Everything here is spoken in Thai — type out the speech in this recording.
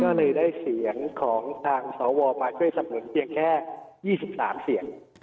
ก็เลยได้เสียงของทางสวมาช่วยสำนุนเพียงแค่๒๓เสียง